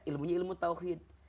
ilmunya ilmu tauhid